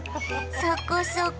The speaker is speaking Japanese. そこそこ。